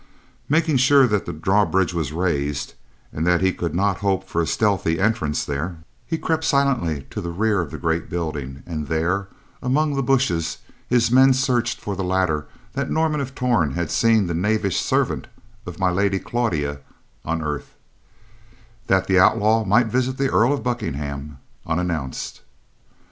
Making sure that the drawbridge was raised, and that he could not hope for stealthy entrance there, he crept silently to the rear of the great building and there, among the bushes, his men searched for the ladder that Norman of Torn had seen the knavish servant of My Lady Claudia unearth, that the outlaw might visit the Earl of Buckingham, unannounced.